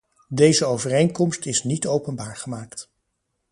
Deze overeenkomst is niet openbaar gemaakt.